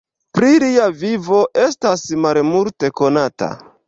Pri lia vivo estas malmulte konata.